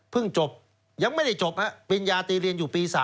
พึ่งจบยังไม่ได้จบฮะเป็นยาตีเรียนอยู่ปี๓